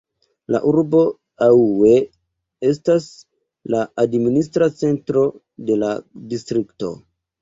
La urbo Aue estas la administra centro de la distrikto.